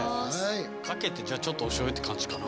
かけてじゃあちょっとおしょうゆって感じかな。